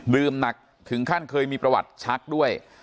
หนักถึงขั้นเคยมีประวัติชักด้วย